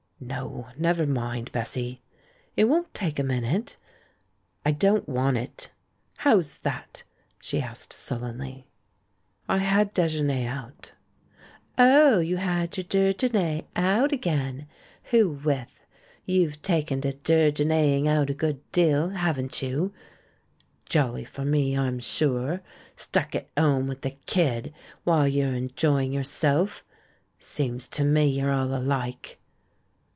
"No, never mind, Bessy." "It won't take a minute." "I don't want it." "How's that?" she asked sullenly. 310 THE MAN WHO UNDERSTOOD WOMEN "I had dejeuner out." "Oh, you had your dirgennay out again! Who with? You've taken to dirgennaying out a good deal, haven't you ? Jolly for me, I'm sure — stuck at 'ome with the kid while you're enjoying your self? Seems to me you're all alike."